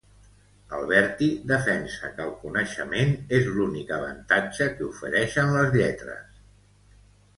Alberti defensa que el coneixement és l'únic avantatge que ofereixen les lletres.